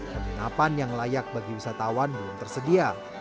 penginapan yang layak bagi wisatawan belum tersedia